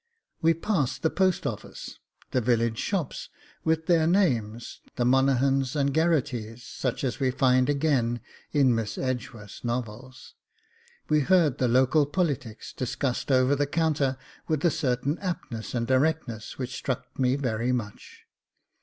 We passed the Post Office, the village shops, with their names, the Monaghans and Gerahtys, such as we find again in Miss Edgeworth's novels. We heard the local politics discussed over the counter with a certain aptness and directness which struck me very much.